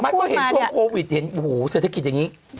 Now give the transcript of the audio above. ฉันเห็นช่วงโควิดเห็นสถิติอย่างนี้